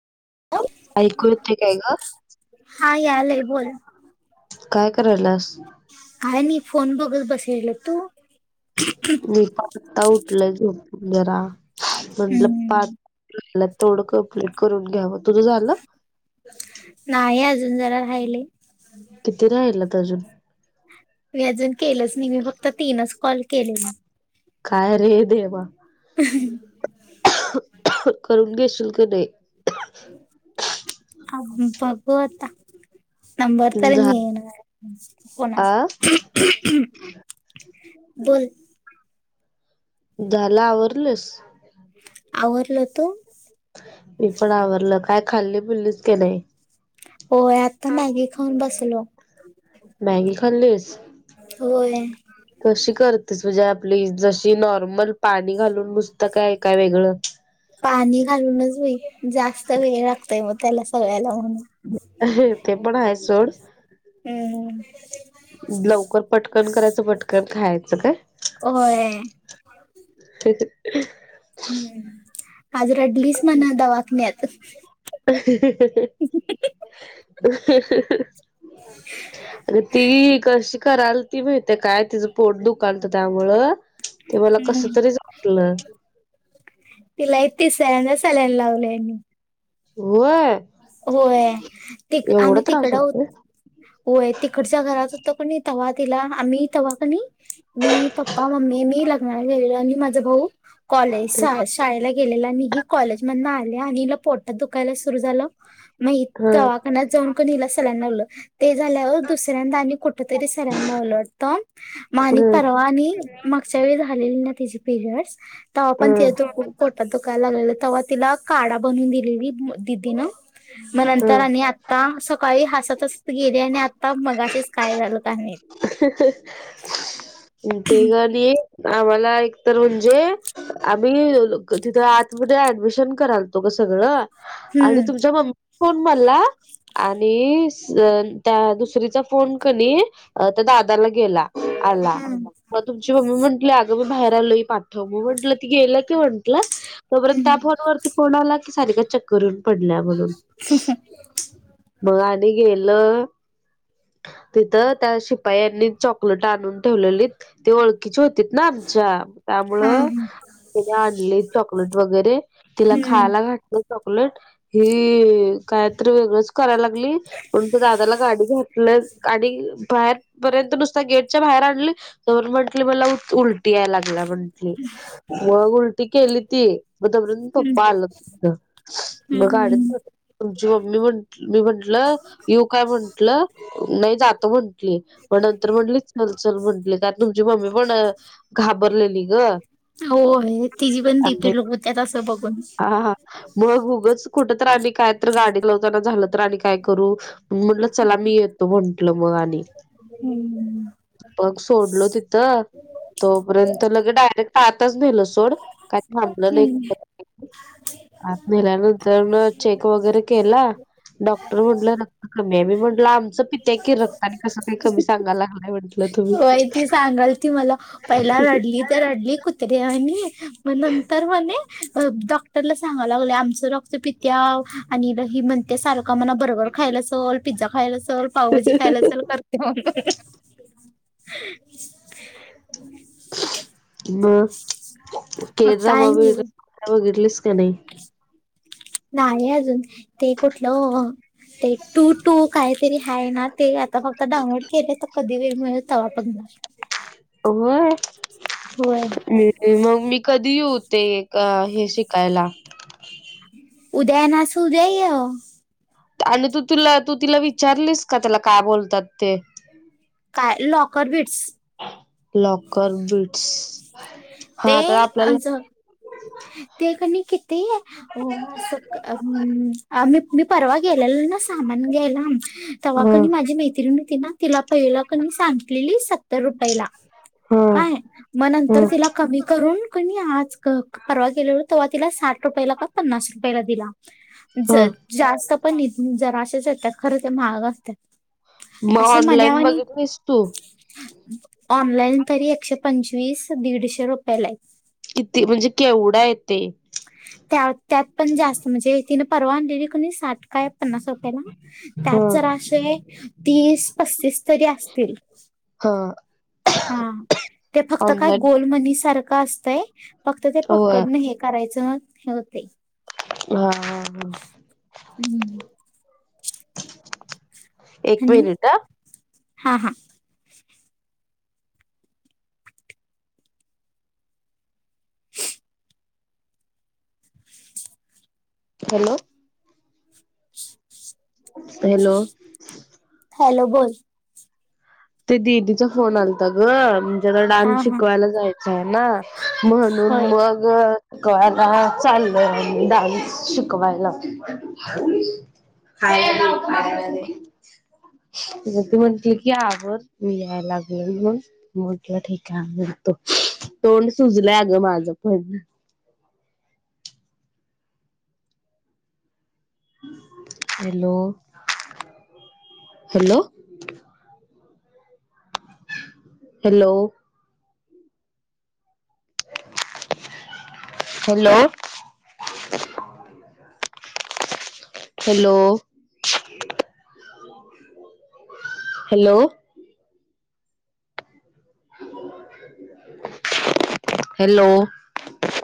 आं ऐकू येते काय ग हा यायलेय बोल. काय करायलास? काय नाही फोन बघत बसलेलो तू? मी पण आता उठलं झोपुन जरा म्हटलं पाच. हम्म [inaudible] तेवढं कप्लीट करून घ्यावं तुझं झालं? नाही अजून जरा राहिले. किती राहिलत अजून? मी अजून केलंच नाही मी फक्त तीनच कॉल केलेली. काय रे देवा. [unintelligible] करून घेशील का नाही? आब बघू आता. नंबर तरी झा मिळे ना आ कोणाचा. बोल झाला आवरलोयस? आवरलं तो. मी पण आवरलं काय खाल्ली बिललीच की नाही? होय आता मॅगी खाऊन बसलो. मॅगी खाल्लीस. होय कशी करतेस म्हणजे आपली जशी नॉर्मल पाणी घालून नुसतं काय काय वेगळं? पाणी घालूनच बाई जास्त वेळ लागतय मग त्याला सगळ्याला म्हणून. ते पण आहे सोड. हम्म हम्म. लवकर पटकन करायचं पटकन खायचं काय? होय. ठीक हे. हम्म आज रडलीस म्हणा दवाखान्यात. [unintelligible] ती कशी करालती माहितेय काय तिजं पोट दुखालतं त्यामुळं. कस हम्म तरीच वाटलं. तिला हे तिसऱ्यांदा सलाईन लावलय. होय. होय ती एवढा आम्ही त्रास तिकड होतोय. होत. होय तिकडच्या घरात होतं कण तवा्हा तिला आम्ही तवा्हा कणी. मी पपा मम्मी मी लग्नाला गेलेल आणि माझ भाऊ असे. शाळेला गेलेला आणि हि कॉलेजमधन आले आणि हिला पोटात दुखायला सुरु झालं. मग इत हम्म दवाखानत जाऊन इला सलाईन लावलं. ते झाल्यावर दुसऱ्यांदा आणि कुठेतरी सलाईन लावलं होत मग हम्म परवा आणि. मागच्या वेळी झालेली ना तिची पिरयडस तेव्हा पण हम्म तिच्या पोटात. कालं आलेलं तेव्हा तिला काडा बनून दिलेली दिदीन मग नंतर हम्म आणि. आता सकाळी हसत हसत गेले आणि आता मग असेच काय झालं का नाही. ते गणी आम्हाला एकतर म्हणजे. आम्ही तिथं आतमध्ये ऍडमिशन करालतो ग सगळं. आणि हम्म तुमच्या मम्मी. फोन मारला आणि त्या दुसरीचा फोन कनी. अ त्या दादाला गेला आला हम्म म तुमची मम्मी म्हंटली. मी बाहेर आलो पाठव मग म्हंटलं ती गेलं की म्हंटलं. तोपर्यत त्या फोरवररती पोन लाग क सारच चक्. करून पडल्या म्हणून मग आणि गेलं. तिथं त्या शिपाई यांनी चॉकलेट आणून ठेवलेली. ओळखीचे होतीत ना ते आमच्या हा त्यामुळं. तिने आणले चॉकलेट वगैरे तिला हम्म खायला घातलं. चॉकलेट कायत वेगळच करायला लागली म्हण दादाला गाडी घात. काडी. बाहेर पर्यंत नुसता गेटच्या बाहेर आणले तर म्हंटली मला उलटी यायला लाग. भला बनली. मग उलटी केली ती मग दबरून हम्म पप्पा आला मगड. हम्म तुमची मम्मी म्ह मी म्हंटलं यू काय म्हंटलं नाही जात म्हण. मग नंतर म्हंटली चलचल म्हंटली कारण तुमची मम्मी पण घाबरलेली ग. होय तिची पण आणि बीपी लो होत्या तं बघून. हा हा मग उगंच कुठ तर आणि काय तर गाडी ला काय तर झालं तर आणि काय करू. म्हटलं चला मी येतो म्हंटल मग आणि हम्म मग सोडलो त. तोपर्यंत लगे डायरेक्ट आताच नाहीे ल सोड काही थांबलं नाही. आणि त्याच्यानंतरण चेक वगैरे केला. डॉक्टर म्हंटलं रक्त कमी आहे मी म्हटलं आमचं पित्या की रक्त. आणि कस काही कमी सगय लागय म्हण. होय ती सांगाल ती मला पहिला रडली ते रडली. कुत्रे आणि म नंतर म्हणे. रला सांगा लागलं आमचं रक्तपित्या आणि ल ह म्हणत्या सारखं. का मना बरोबर खायला असेल पिझ्झा खायला असेल पावभाजी खायला असेल करते. [unintelligible] [inaudible] मग काय नाही हगर्लस का नाही. नाही आहे अजून ते कुठलं ते टू टू काहीतरी ह ना ते. तो फक्त डाऊनलोड केले तर कधी वेळ मिळत पण व्हय व्हय मग मी कधी येऊ ते का हे शिकायला उदया येनास उदया य आणि तू तिला तू तिला विचारलीस का त्याला काय बोलतात ते काय लॉकर बिट्स लॉकर बिट्स ते आज ते कि नी किती हो असं मी परवा गेलेलो ना सामान घ्यायला तेव्हा ह कनी माझी मैत्रीणतीला ना तिला पहिला की सांगलेली सत्तर रुपईला ह काय मग ह नंतर तिला कमी करून कणी आज क परवा गेलेल तेव्हा तिला साठ रुपयाला का पन्नास रुपयाला दिला ह. ज जास्त पण येतील जरा अशेच येतेत खरं ते महाग असत्यात मग ऑनलाईन बघितलंस तु ऑनलाईन तरी एकशे पंचवीस दीडशे रुपये ला हे किती म्हणजे केवढंं येते त्या त्यात पण जास्त म्हणजे तिन परवा आणले की साठ काय पन्नास रोपयाला त्यात हा. जरा आशे तीस पस्तीस तरी असतील हं हा ते फक्त काय गोलमनी सारखं असतंय फक्त ते होय पक्कडन हे करायचं हे होतंय हा हा हम् एक मिनिट अं हा हा हॅलो हॅलो हॅलो बोल ते दिदीचा फोन आलाता ग म्हणजे आता हा डान्स हा शिकवायला जायचा आहे ना. म्हणून होय. मग हो का आता चाले डान्स शिकवायला खायला दे खायला ती म्हणती की आवर मी याय लागले ना म्हटलं ठीक आहे आवरतो तोंड सुजलंय अगं माझ पण hello hello hello hello hello hello [unintelligible] hello